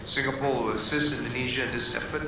singapura akan membantu indonesia dalam usaha ini